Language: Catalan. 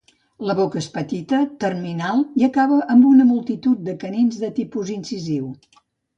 La boca és petita, terminal i acaba amb una multitud de canins de tipus incisiu.